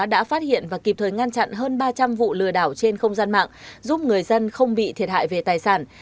đã phát hiện và kịp thời ngăn chặn hơn ba trăm linh vụ lừa đảo trên không gian mạng giúp người dân không bị thiệt hại về tài sản